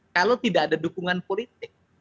kalau tidak ada dukungan politik